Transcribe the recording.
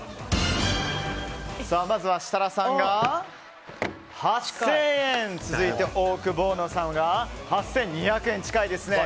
まずは設楽さんが８０００円。続いて、オオクボーノさんが８２００円、近いですね。